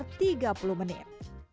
sekitar tiga puluh menit